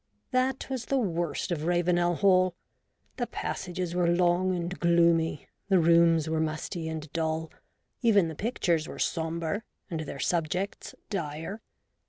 That was the worst of Ravenel Hall. The passages were long and gloomy, the rooms were musty and dull, even the pictures were sombre and their subjects dire.